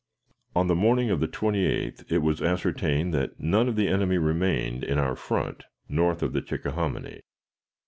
On the morning of the 28th it was ascertained that none of the enemy remained in our front north of the Chickahominy.